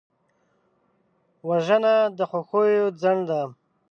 وژنه د خوښیو خنډ ده